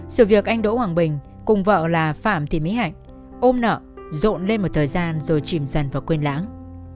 sự việc anh đỗ hoàng bình cùng vợ là phạm thị mỹ hạnh ôm nợ rộn lên một thời gian rồi chìm dần vào quên lãng